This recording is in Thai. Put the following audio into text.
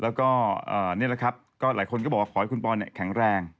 แล้วก็นี่แหละครับก็หลายคนก็บอกว่าขอให้คุณปอนแข็งแรง